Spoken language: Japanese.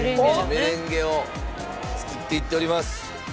メレンゲを作っていっております。